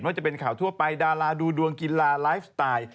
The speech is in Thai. ว่าจะเป็นข่าวทั่วไปดาราดูดวงกีฬาไลฟ์สไตล์